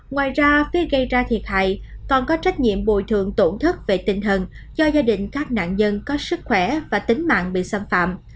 ngoài ra phía gây ra thiệt hại còn có trách nhiệm bồi thường tổn thất về tinh thần cho gia đình các nạn nhân có sức khỏe và tính mạng bị xâm phạm